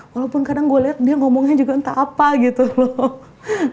walaupun kadang gue lihat dia ngomongnya juga entah apa gitu loh